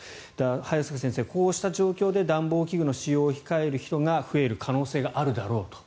早坂先生、こうした状況で暖房器具の使用を控える人が増える可能性があるだろうと。